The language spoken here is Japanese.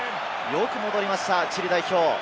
よく戻りましたチリ代表。